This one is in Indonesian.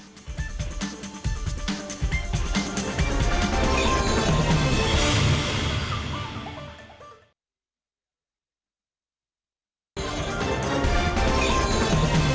kita akan beri penjelasan